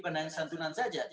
bukan hanya santunan saja